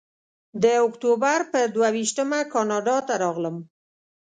د اکتوبر پر دوه ویشتمه کاناډا ته راغلم.